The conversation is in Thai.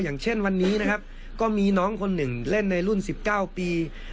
อย่างเช่นวันนี้นะครับก็มีน้องคนหนึ่งเล่นในรุ่น๑๙ปี